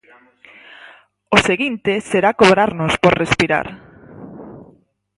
"O seguinte será cobrarnos por respirar".